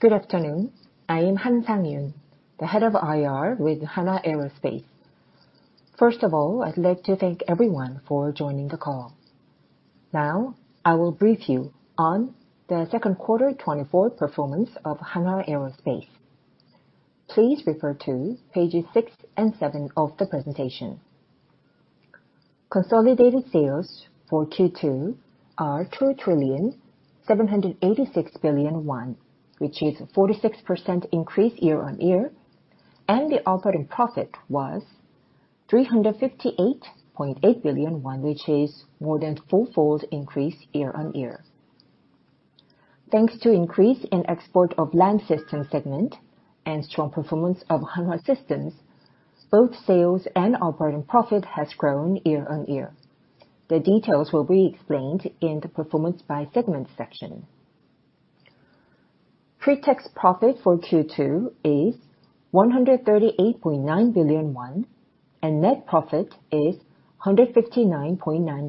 Good afternoon. I am Han Sang Yun, the head of IR with Hanwha Aerospace. First of all, I'd like to thank everyone for joining the call. Now, I will brief you on the second quarter 2024 performance of Hanwha Aerospace. Please refer to pages 6 and 7 of the presentation. Consolidated sales for Q2 are 2,786 billion won, which is a 46% increase year-on-year, and the operating profit was 358.8 billion won, which is more than a four-fold increase year-on-year. Thanks to the increase in export of land system segment and strong performance of Hanwha Systems, both sales and operating profit have grown year-on-year. The details will be explained in the performance by segment section. Pretax profit for Q2 is 138.9 billion won, and net profit is 159.9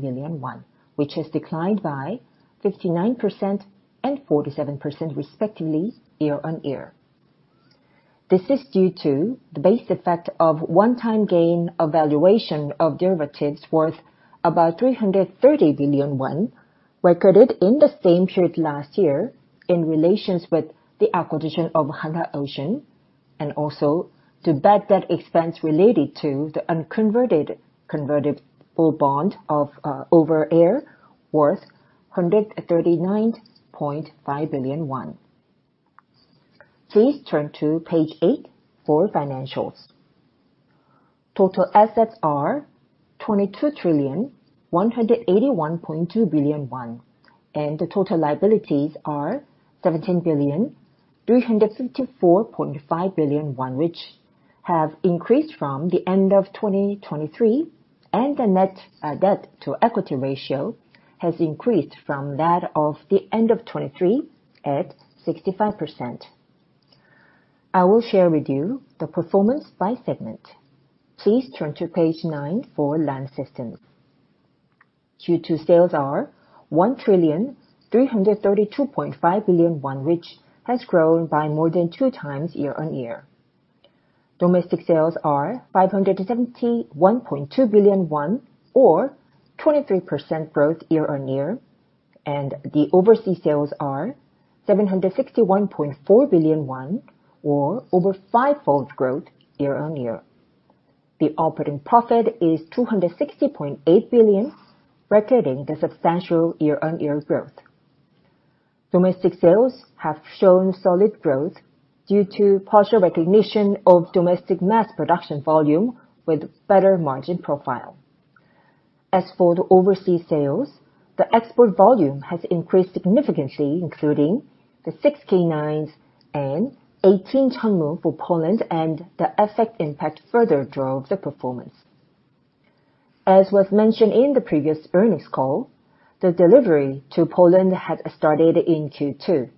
billion won, which has declined by 59% and 47% respectively year-on-year. This is due to the base effect of one-time gain of valuation of derivatives worth about 330 billion won, recorded in the same period last year in relation with the acquisition of Hanwha Ocean, and also the backdrop expense related to the unconverted convertible bond of Overair worth 139.5 billion won. Please turn to page 8 for financials. Total assets are 22,181.2 billion won, and the total liabilities are 17,354.5 billion, which have increased from the end of 2023, and the net debt-to-equity ratio has increased from that of the end of 2023 at 65%. I will share with you the performance by segment. Please turn to page 9 for land systems. Q2 sales are 1,332.5 billion won, which has grown by more than two times year-on-year. Domestic sales are 571.2 billion won, or 23% growth year-on-year, and the overseas sales are 761.4 billion won, or over five-fold growth year-on-year. The operating profit is 260.8 billion, recording the substantial year-on-year growth. Domestic sales have shown solid growth due to partial recognition of domestic mass production volume with better margin profile. As for the overseas sales, the export volume has increased significantly, including the six K9s and 18 Chunmoo for Poland, and the FX impact further drove the performance. As was mentioned in the previous earnings call, the delivery to Poland had started in Q2.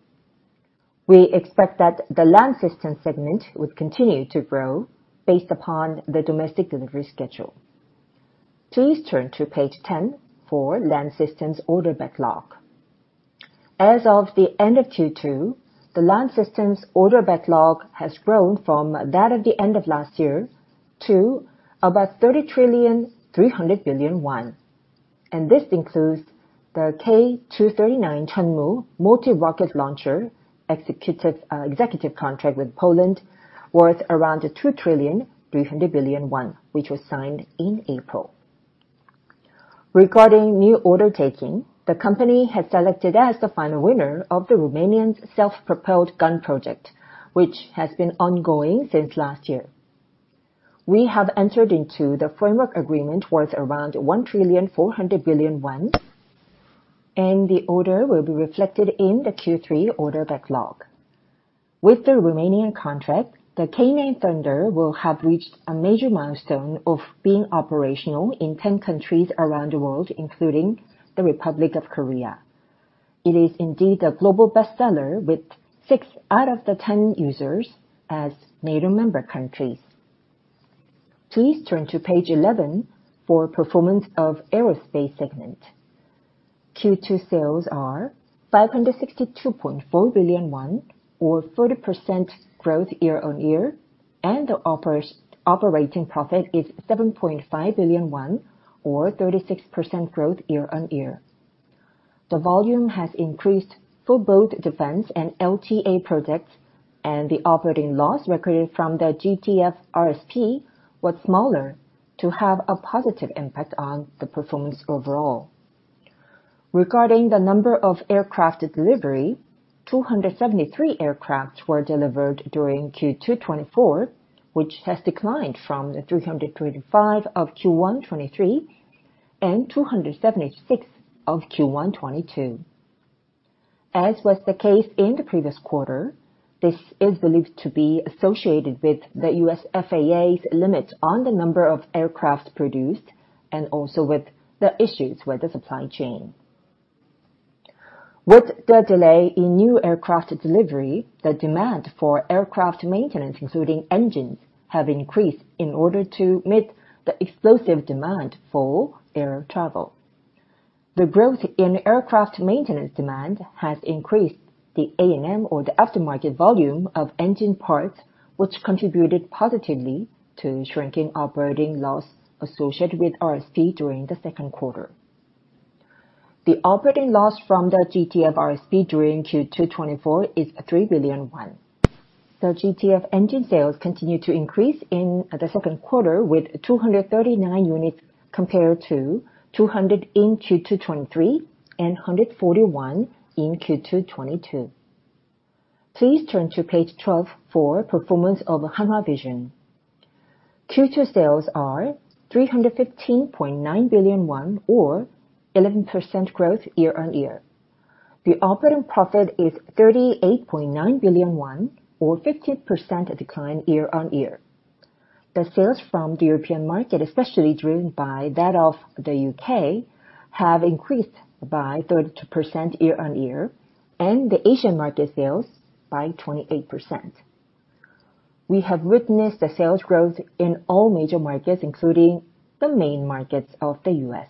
We expect that the land system segment would continue to grow based upon the domestic delivery schedule. Please turn to page 10 for land systems order backlog. As of the end of Q2, the land systems order backlog has grown from that of the end of last year to about 30.3 trillion, and this includes the K239 Chunmoo multi-rocket launcher executive contract with Poland worth around 2.3 trillion, which was signed in April. Regarding new order taking, the company has selected as the final winner the Romanian self-propelled gun project, which has been ongoing since last year. We have entered into the framework agreement worth around 1.4 trillion, and the order will be reflected in the Q3 order backlog. With the Romanian contract, the K9 Thunder will have reached a major milestone of being operational in 10 countries around the world, including the Republic of Korea. It is indeed a global bestseller with six out of the 10 users as NATO member countries. Please turn to page 11 for performance of aerospace segment. Q2 sales are 562.4 billion won, or 40% growth year-on-year, and the operating profit is 7.5 billion won, or 36% growth year-on-year. The volume has increased for both defense and LTA projects, and the operating loss recorded from the GTF RSP was smaller to have a positive impact on the performance overall. Regarding the number of aircraft delivery, 273 aircraft were delivered during Q2 2024, which has declined from the 325 of Q1 2023 and 276 of Q1 2022. As was the case in the previous quarter, this is believed to be associated with the U.S. FAA's limits on the number of aircraft produced and also with the issues with the supply chain. With the delay in new aircraft delivery, the demand for aircraft maintenance, including engines, has increased in order to meet the explosive demand for air travel. The growth in aircraft maintenance demand has increased the AM, or the aftermarket volume of engine parts, which contributed positively to shrinking operating loss associated with RSP during the second quarter. The operating loss from the GTF RSP during Q2 2024 is 3 billion won. The GTF engine sales continued to increase in the second quarter with 239 units compared to 200 in Q2 2023 and 141 in Q2 2022. Please turn to page 12 for performance of Hanwha Aerospace. Q2 sales are 315.9 billion won, or 11% growth year-on-year. The operating profit is 38.9 billion won, or 15% decline year-on-year. The sales from the European market, especially driven by that of the U.K., have increased by 32% year-on-year, and the Asian market sales by 28%. We have witnessed the sales growth in all major markets, including the main markets of the U.S..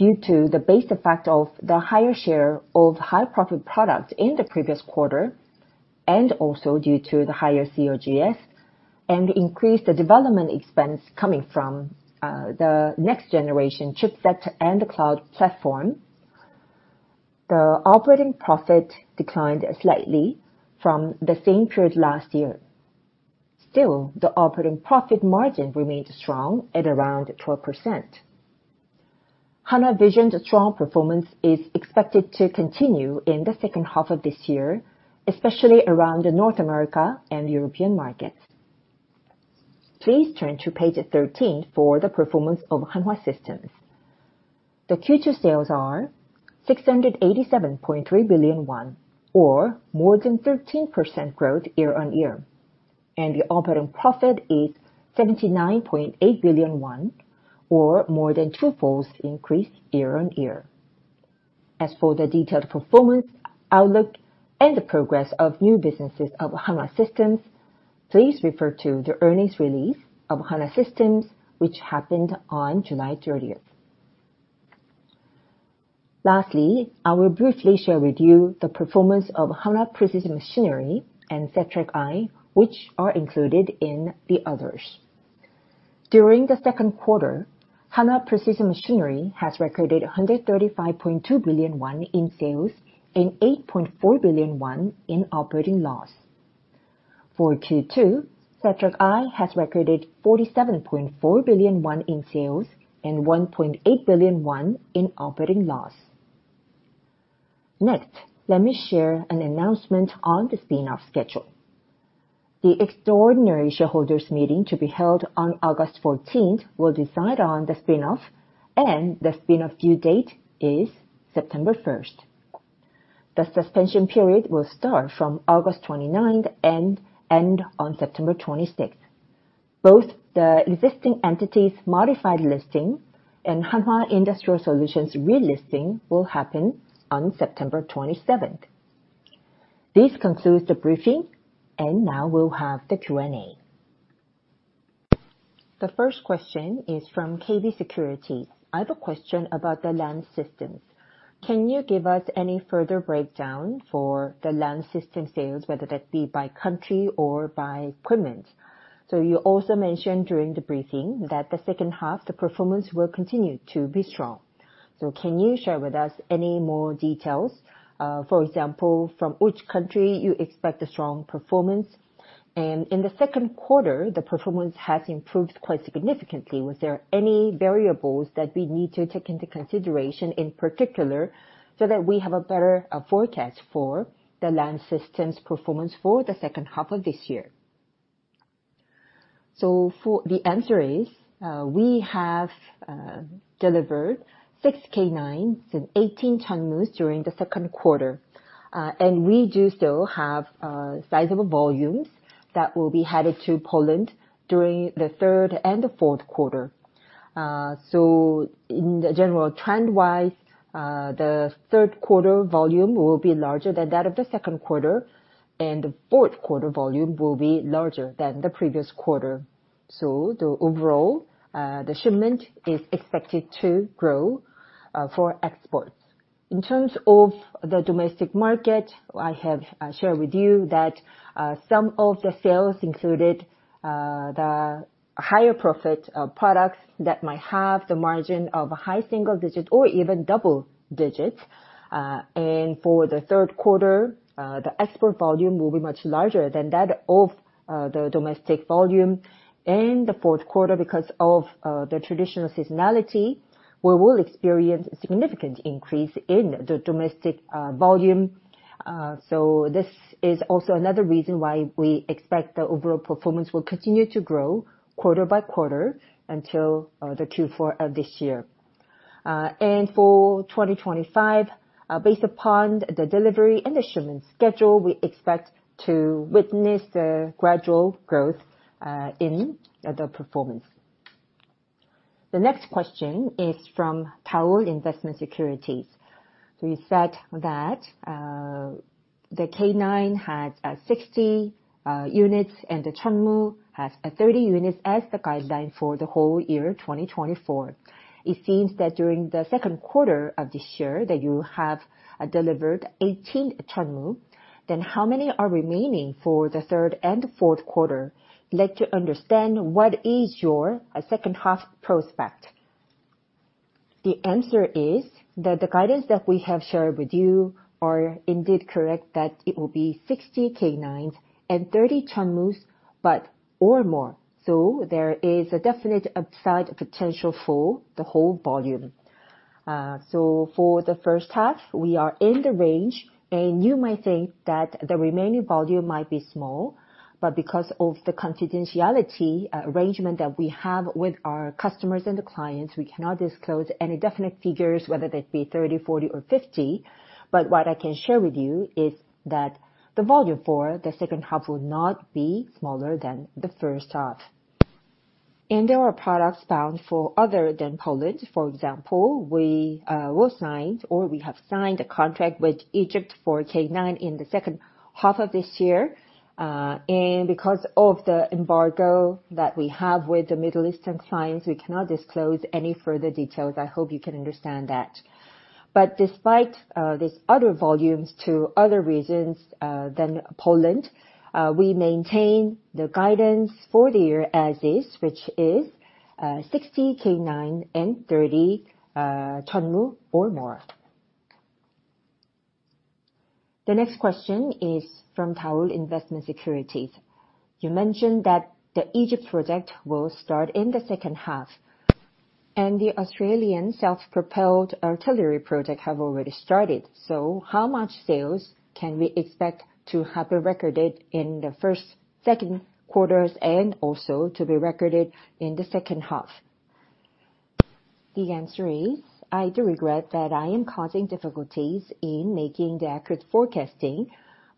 Due to the base effect of the higher share of high-profit products in the previous quarter, and also due to the higher COGS and the increased development expense coming from the next-generation chipset and the cloud platform, the operating profit declined slightly from the same period last year. Still, the operating profit margin remained strong at around 12%. Hanwha Aerospace's strong performance is expected to continue in the second half of this year, especially around North America and European markets. Please turn to page 13 for the performance of Hanwha Aerospace. The Q2 sales are 687.3 billion won, or more than 13% growth year-on-year, and the operating profit is 79.8 billion won, or more than two-fold increase year-on-year. As for the detailed performance outlook and the progress of new businesses of Hanwha Aerospace, please refer to the earnings release of Hanwha Aerospace, which happened on July 30. Lastly, I will briefly share with you the performance of Hanwha Precision Machinery and Satrec Initiative, which are included in the others. During the second quarter, Hanwha Precision Machinery has recorded 135.2 billion won in sales and 8.4 billion won in operating loss. For Q2, Satrec Initiative has recorded 47.4 billion won in sales and 1.8 billion won in operating loss. Next, let me share an announcement on the spinoff schedule. The extraordinary shareholders' meeting to be held on August 14 will decide on the spinoff, and the spinoff due date is September 1. The suspension period will start from August 29 and end on September 26. Both the existing entity's modified listing and Hanwha Industrial Solutions' relisting will happen on September 27. This concludes the briefing, and now we'll have the Q&A. The first question is from KB Securities. I have a question about the land systems. Can you give us any further breakdown for the land system sales, whether that be by country or by equipment? So you also mentioned during the briefing that the second half, the performance will continue to be strong. So can you share with us any more details, for example, from which country you expect the strong performance? And in the second quarter, the performance has improved quite significantly. Was there any variables that we need to take into consideration in particular so that we have a better forecast for the land system's performance for the second half of this year? So the answer is we have delivered 6 K9s and 18 Chunmoos during the second quarter, and we do still have sizable volumes that will be headed to Poland during the third and the fourth quarter. So in general, trend-wise, the third quarter volume will be larger than that of the second quarter, and the fourth quarter volume will be larger than the previous quarter. So overall, the shipment is expected to grow for exports. In terms of the domestic market, I have shared with you that some of the sales included the higher profit products that might have the margin of a high single digit or even double digits. And for the third quarter, the export volume will be much larger than that of the domestic volume. In the fourth quarter, because of the traditional seasonality, we will experience a significant increase in the domestic volume. So this is also another reason why we expect the overall performance will continue to grow quarter by quarter until the Q4 of this year. For 2025, based upon the delivery and the shipment schedule, we expect to witness the gradual growth in the performance. The next question is from DAOL Investment Securities. So you said that the K9 has 60 units and the Chunmoo has 30 units as the guideline for the whole year 2024. It seems that during the second quarter of this year that you have delivered 18 Chunmoo, then how many are remaining for the third and fourth quarter? Let's understand what is your second half prospect. The answer is that the guidance that we have shared with you are indeed correct, that it will be 60 K9s and 30 Chunmoos or more. So there is a definite upside potential for the whole volume. So for the first half, we are in the range, and you might think that the remaining volume might be small, but because of the confidentiality arrangement that we have with our customers and the clients, we cannot disclose any definite figures, whether that be 30, 40, or 50. But what I can share with you is that the volume for the second half will not be smaller than the first half. There are products bound for other than Poland. For example, we will sign, or we have signed a contract with Egypt for K9 in the second half of this year. And because of the embargo that we have with the Middle Eastern clients, we cannot disclose any further details. I hope you can understand that. Despite these other volumes, to other reasons than Poland, we maintain the guidance for the year as is, which is 60 K9 and 30 Chunmoo or more. The next question is from DAOL Investment Securities. You mentioned that the Egypt project will start in the second half, and the Australian self-propelled artillery project has already started. So how much sales can we expect to have been recorded in the first and second quarters and also to be recorded in the second half? The answer is, I do regret that I am causing difficulties in making the accurate forecasting,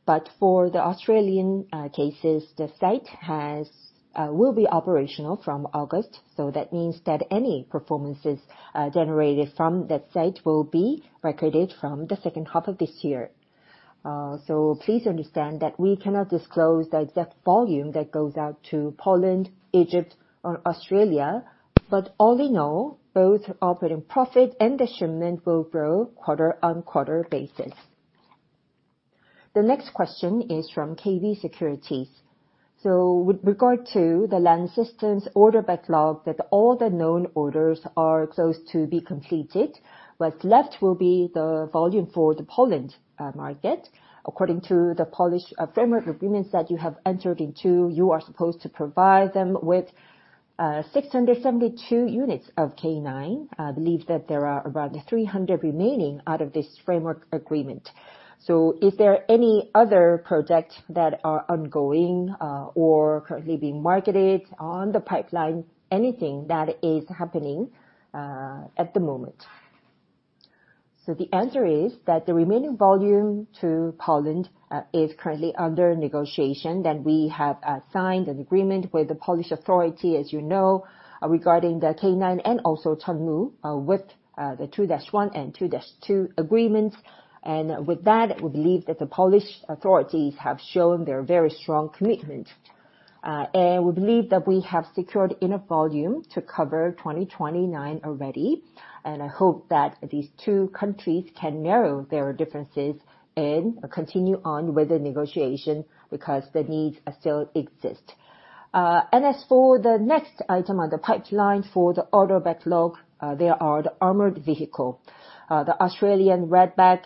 but for the Australian cases, the site will be operational from August. That means that any performances generated from that site will be recorded from the second half of this year. So please understand that we cannot disclose the exact volume that goes out to Poland, Egypt, or Australia, but all in all, both operating profit and the shipment will grow quarter-on-quarter basis. The next question is from KB Securities. So with regard to the land systems order backlog, that all the known orders are close to be completed, what's left will be the volume for the Poland market. According to the Polish framework agreements that you have entered into, you are supposed to provide them with 672 units of K9. I believe that there are around 300 remaining out of this framework agreement. So is there any other projects that are ongoing or currently being marketed on the pipeline, anything that is happening at the moment? So the answer is that the remaining volume to Poland is currently under negotiation. Then we have signed an agreement with the Polish authority, as you know, regarding the K9 and also Chunmoo with the 2-1 and 2-2 agreements. And with that, we believe that the Polish authorities have shown their very strong commitment. And we believe that we have secured enough volume to cover 2029 already. And I hope that these two countries can narrow their differences and continue on with the negotiation because the needs still exist. And as for the next item on the pipeline for the order backlog, there are the armored vehicle. The Australian Redback,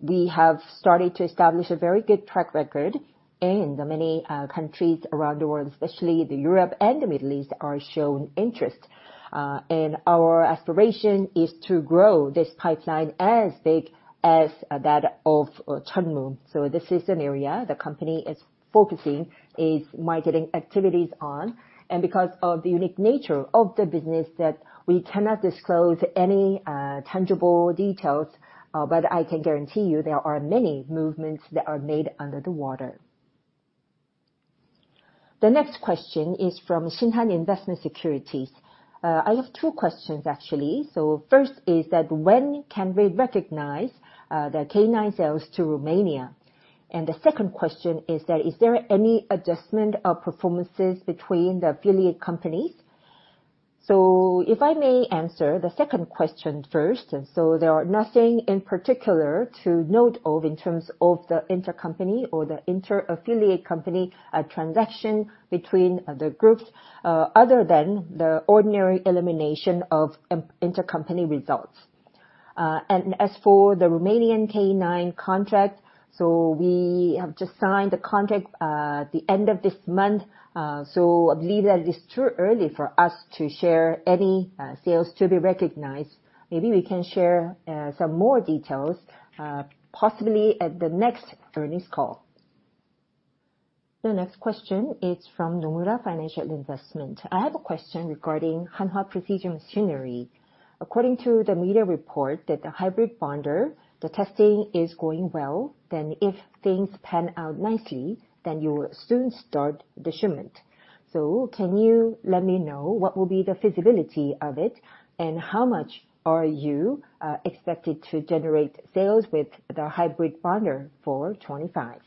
we have started to establish a very good track record, and many countries around the world, especially Europe and the Middle East, are showing interest. And our aspiration is to grow this pipeline as big as that of Chunmoo. So this is an area the company is focusing its marketing activities on. And because of the unique nature of the business, we cannot disclose any tangible details, but I can guarantee you there are many movements that are made under the water. The next question is from Shinhan Investment Securities. I have two questions, actually. So first is that when can we recognize the K9 sales to Romania? And the second question is that is there any adjustment of performances between the affiliate companies? So if I may answer the second question first, so there are nothing in particular to note in terms of the intercompany or the inter-affiliate company transaction between the groups other than the ordinary elimination of intercompany results. And as for the Romanian K9 contract, so we have just signed the contract at the end of this month. So I believe that it is too early for us to share any sales to be recognized. Maybe we can share some more details, possibly at the next earnings call. The next question is from NOMURA Financial Investment. I have a question regarding Hanwha Precision Machinery. According to the media report that the hybrid bonder, the testing is going well. Then if things pan out nicely, then you will soon start the shipment. So can you let me know what will be the feasibility of it and how much are you expected to generate sales with the hybrid bonder for 2025?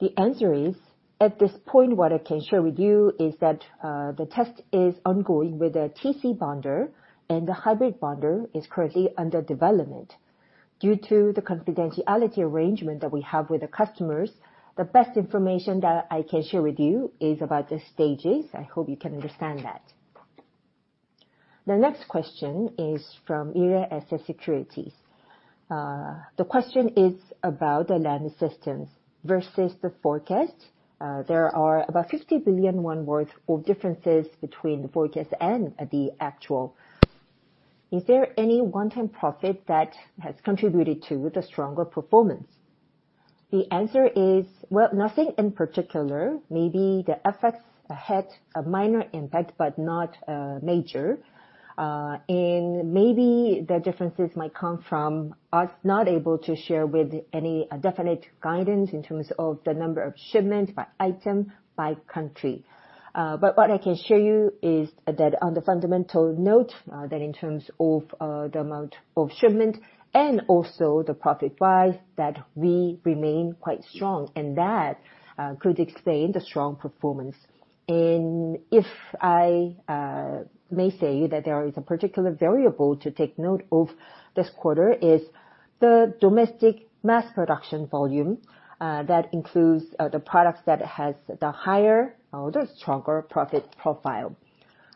The answer is at this point, what I can share with you is that the test is ongoing with a TC bonder, and the hybrid bonder is currently under development. Due to the confidentiality arrangement that we have with the customers, the best information that I can share with you is about the stages. I hope you can understand that. The next question is from Mirae Asset Securities. The question is about the land systems versus the forecast. There are about 50 billion won worth of differences between the forecast and the actual. Is there any one-time profit that has contributed to the stronger performance? The answer is, well, nothing in particular. Maybe the effects had a minor impact, but not major. And maybe the differences might come from us not able to share with any definite guidance in terms of the number of shipments by item, by country. But what I can share you is that on the fundamental note, that in terms of the amount of shipment and also the profit-wise, that we remain quite strong, and that could explain the strong performance. And if I may say that there is a particular variable to take note of this quarter is the domestic mass production volume that includes the products that has the higher or the stronger profit profile.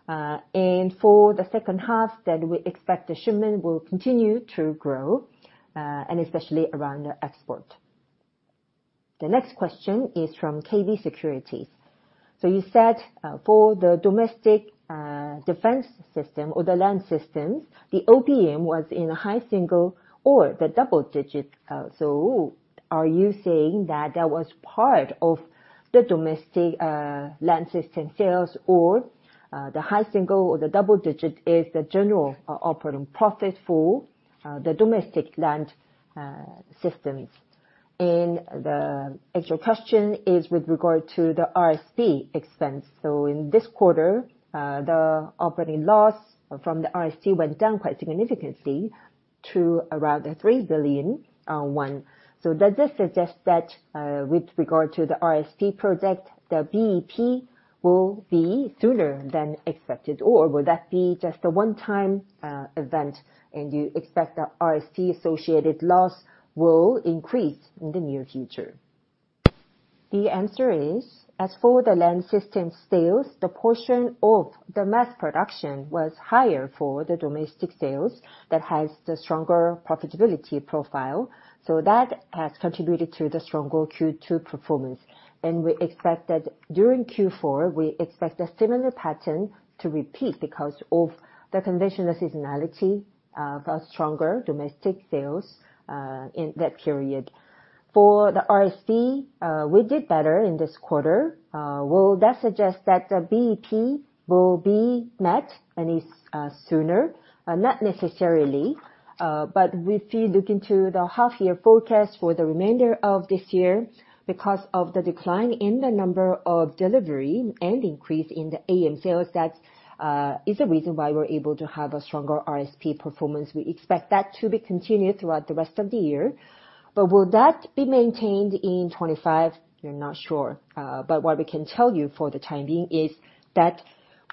And for the second half, then we expect the shipment will continue to grow, and especially around the export. The next question is from KB Securities. So you said for the domestic defense system or the land systems, the OPM was in a high single or the double digit. So are you saying that that was part of the domestic land system sales or the high single or the double digit is the general operating profit for the domestic land systems? And the actual question is with regard to the RSP expense. So in this quarter, the operating loss from the RSP went down quite significantly to around 3 billion. So does this suggest that with regard to the RSP project, the BEP will be sooner than expected, or will that be just a one-time event and you expect the RSP-associated loss will increase in the near future? The answer is, as for the land system sales, the portion of the mass production was higher for the domestic sales that has the stronger profitability profile. So that has contributed to the stronger Q2 performance. And we expect that during Q4, we expect a similar pattern to repeat because of the conventional seasonality of stronger domestic sales in that period. For the RSP, we did better in this quarter. Will that suggest that the BEP will be met any sooner? Not necessarily, but if you look into the half-year forecast for the remainder of this year, because of the decline in the number of delivery and increase in the AM sales, that is the reason why we're able to have a stronger RSP performance. We expect that to be continued throughout the rest of the year. But will that be maintained in 2025? We're not sure. But what we can tell you for the time being is that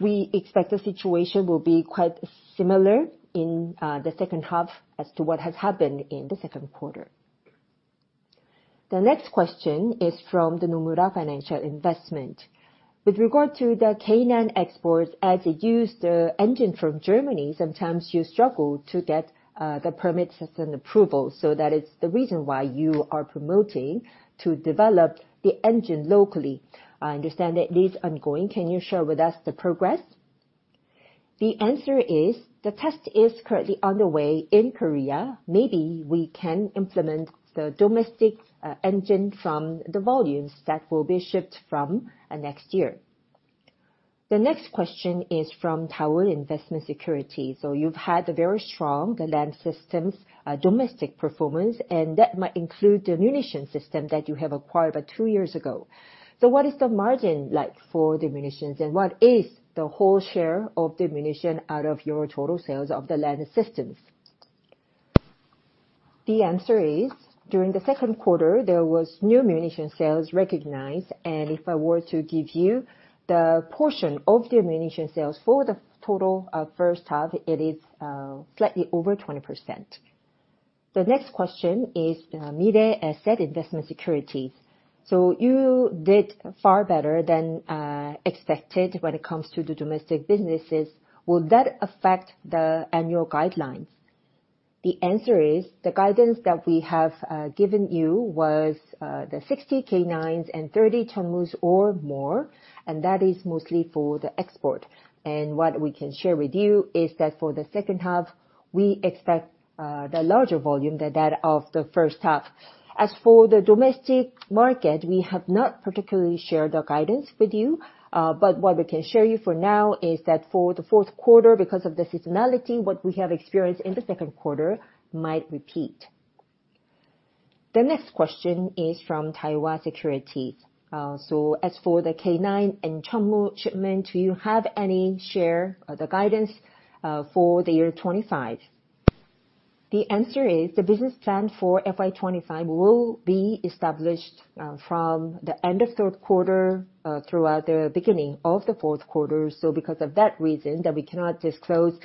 we expect the situation will be quite similar in the second half as to what has happened in the second quarter. The next question is from the NOMURA Financial Investment. With regard to the K9 exports, as you use the engine from Germany, sometimes you struggle to get the permits and approvals. So that is the reason why you are promoting to develop the engine locally. I understand that it is ongoing. Can you share with us the progress? The answer is the test is currently underway in Korea. Maybe we can implement the domestic engine from the volumes that will be shipped from next year. The next question is from DAOL Investment Securities. So you've had a very strong land systems domestic performance, and that might include the munition system that you have acquired about two years ago. So what is the margin like for the munitions, and what is the whole share of the munitions out of your total sales of the land systems? The answer is during the second quarter, there was new munition sales recognized. And if I were to give you the portion of the munition sales for the total first half, it is slightly over 20%. The next question is Mirae Asset Securities. So you did far better than expected when it comes to the domestic businesses. Will that affect the annual guidelines? The answer is the guidance that we have given you was the 60 K9s and 30 Chunmoos or more, and that is mostly for the export. And what we can share with you is that for the second half, we expect the larger volume than that of the first half. As for the domestic market, we have not particularly shared the guidance with you, but what we can share you for now is that for the fourth quarter, because of the seasonality, what we have experienced in the second quarter might repeat. The next question is from Daiwa Securities. So as for the K9 and Chunmoo shipment, do you have any share of the guidance for the year 2025? The answer is the business plan for FY 2025 will be established from the end of third quarter throughout the beginning of the fourth quarter. So because of that reason, we cannot disclose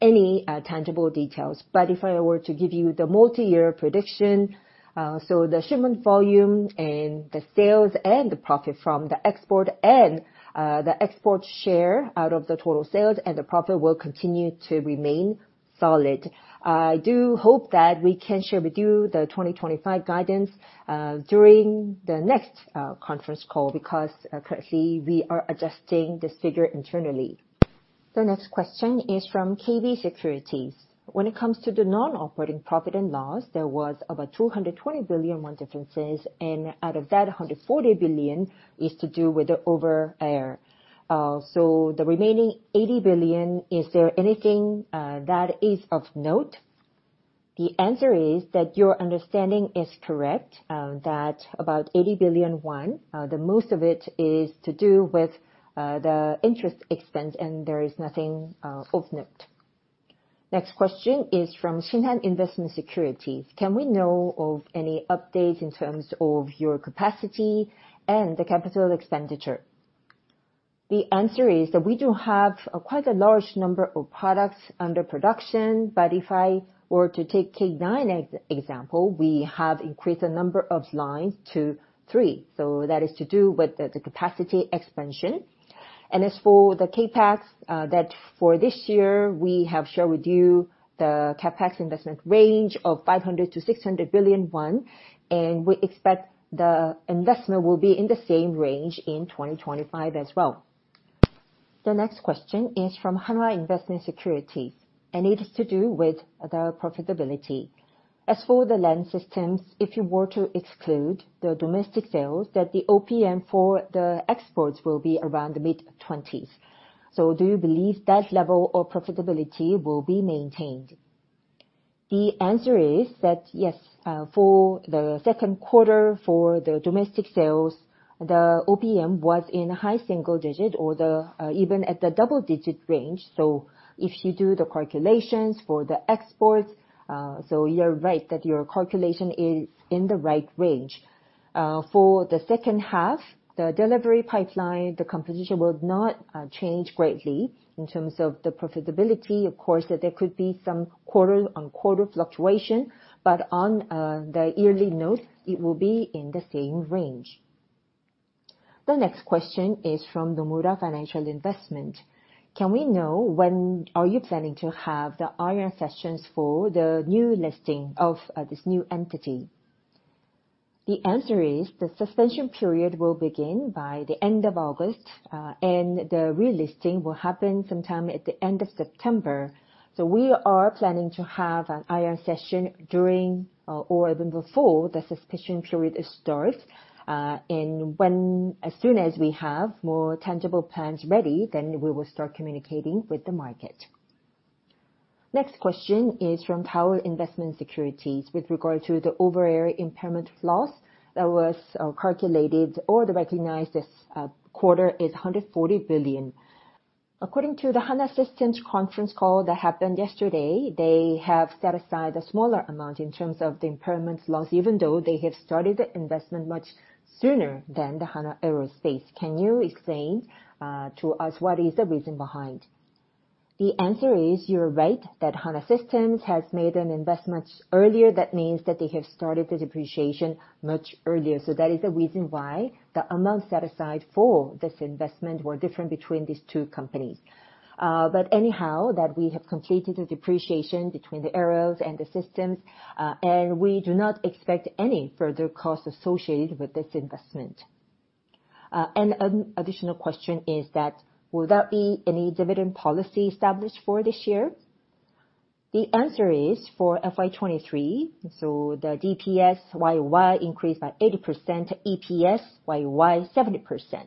any tangible details. But if I were to give you the multi-year prediction, so the shipment volume and the sales and the profit from the export and the export share out of the total sales and the profit will continue to remain solid. I do hope that we can share with you the 2025 guidance during the next conference call because currently we are adjusting this figure internally. The next question is from KB Securities. When it comes to the non-operating profit and loss, there was about 220 billion difference, and out of that, 140 billion is to do with the Overair. So the remaining 80 billion, is there anything that is of note? The answer is that your understanding is correct, that about 80 billion won, the most of it is to do with the interest expense, and there is nothing of note. Next question is from Shinhan Investment Securities. Can we know of any updates in terms of your capacity and the capital expenditure? The answer is that we do have quite a large number of products under production, but if I were to take K9 example, we have increased the number of lines to three. So that is to do with the capacity expansion. And as for the CapEx, that for this year, we have shared with you the CapEx investment range of 500 billion-600 billion won, and we expect the investment will be in the same range in 2025 as well. The next question is from Hanwha Investment Securities, and it is to do with the profitability. As for the land systems, if you were to exclude the domestic sales, that the OPM for the exports will be around the mid-20s. So do you believe that level of profitability will be maintained? The answer is that yes. For the second quarter, for the domestic sales, the OPM was in a high single digit or even at the double digit range. So if you do the calculations for the exports, so you're right that your calculation is in the right range. For the second half, the delivery pipeline, the composition will not change greatly in terms of the profitability. Of course, there could be some quarter-on-quarter fluctuation, but on the yearly note, it will be in the same range. The next question is from NOMURA Financial Investment. Can we know when are you planning to have the IFRS sessions for the new listing of this new entity? The answer is the suspension period will begin by the end of August, and the relisting will happen sometime at the end of September. So we are planning to have an IFRS session during or even before the suspension period starts. And as soon as we have more tangible plans ready, then we will start communicating with the market. Next question is from DAOL Investment Securities with regard to the Overair impairment loss that was calculated or recognized this quarter is 140 billion. According to the Hanwha Systems conference call that happened yesterday, they have set aside a smaller amount in terms of the impairment loss, even though they have started the investment much sooner than the Hanwha Aerospace. Can you explain to us what is the reason behind? The answer is you're right that Hanwha Systems has made an investment earlier. That means that they have started the depreciation much earlier. So that is the reason why the amount set aside for this investment were different between these two companies. But anyhow, we have completed the depreciation between the Aerospace and the Systems, and we do not expect any further costs associated with this investment. An additional question is, will there be any dividend policy established for this year? The answer is for FY 2023, so the DPS YoY increased by 80%, EPS YoY 70%.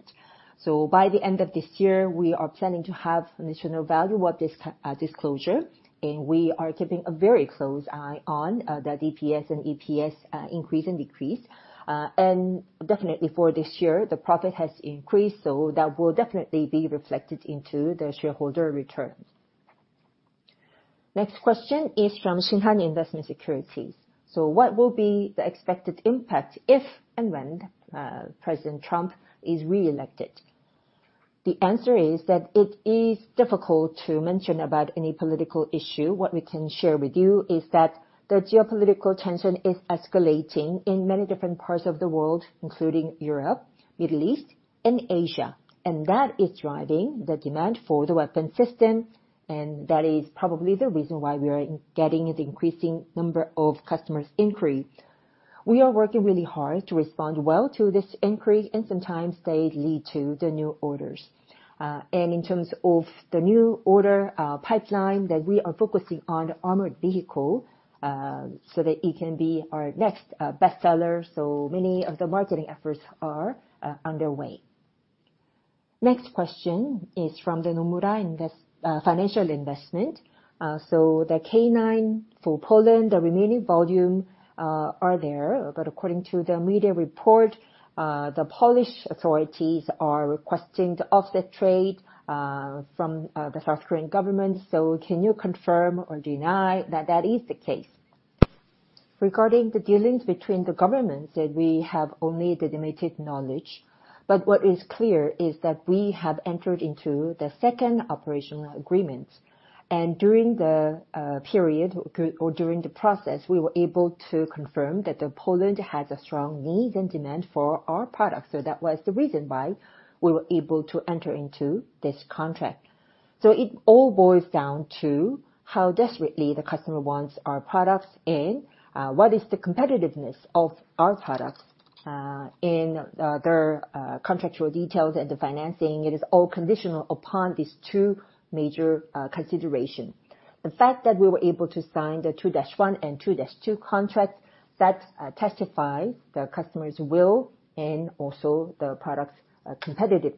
So by the end of this year, we are planning to have an additional value-up disclosure, and we are keeping a very close eye on the DPS and EPS increase and decrease. Definitely for this year, the profit has increased, so that will definitely be reflected into the shareholder return. Next question is from Shinhan Investment Securities. So what will be the expected impact if and when President Trump is re-elected? The answer is that it is difficult to mention about any political issue. What we can share with you is that the geopolitical tension is escalating in many different parts of the world, including Europe, the Middle East, and Asia. And that is driving the demand for the weapon system, and that is probably the reason why we are getting the increasing number of customers' inquiry. We are working really hard to respond well to this increase, and sometimes they lead to the new orders. And in terms of the new order pipeline, that we are focusing on the armored vehicle so that it can be our next best seller. So many of the marketing efforts are underway. Next question is from the NOMURA Financial Investment. So the K9 for Poland, the remaining volume are there, but according to the media report, the Polish authorities are requesting the offset trade from the South Korean government. So can you confirm or deny that that is the case? Regarding the dealings between the governments, we have only the limited knowledge. What is clear is that we have entered into the second operational agreement. During the period or during the process, we were able to confirm that Poland has a strong need and demand for our products. That was the reason why we were able to enter into this contract. It all boils down to how desperately the customer wants our products and what is the competitiveness of our products in their contractual details and the financing. It is all conditional upon these two major considerations. The fact that we were able to sign the 2-1 and 2-2 contract, that testifies the customer's will and also the product's competitiveness.